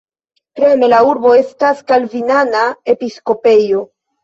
Krome la urbo estas kalvinana episkopejo.